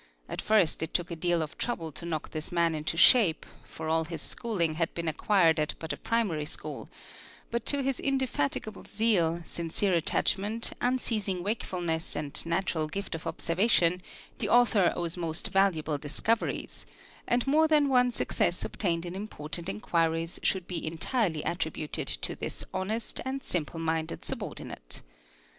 At first it took a deal of trouble to knock this man into shape, for all his schooling had been acquired at but a primary school, but to his indefatigable zeal, sincere attachment, unceas: ing wakefulness, and natural gift of observation, the author owes mos valuable discoveries, and more than one success obtained in importan nt inquiries should be entirely attributed to this honest and simple mindec¢ subordinate.